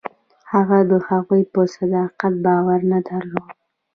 هغه د هغوی په صداقت باور نه درلود.